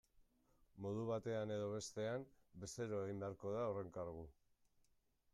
Modu batean edo bestean, bezeroa egin beharko da horren kargu.